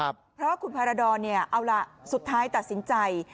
เพราะคุณพารดรเนี่ยเอาล่ะสุดท้ายตัดสินใจ